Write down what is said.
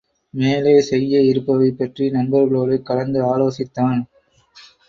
மேலே செய்ய இருப்பவை பற்றி நண்பர்களோடு கலந்து ஆலோசித்தான்.